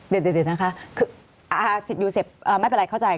เดี๋ยวนะคะคือสิทธิยูเซฟไม่เป็นไรเข้าใจ